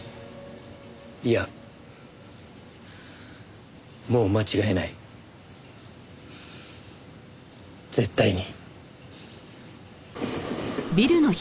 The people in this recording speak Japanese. いやもう間違えない絶対に。